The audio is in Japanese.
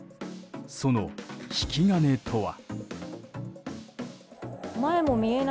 その引き金とは。